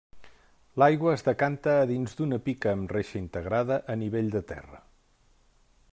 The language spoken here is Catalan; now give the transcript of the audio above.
L'aigua es decanta a dins d'una pica amb reixa integrada a nivell del terra.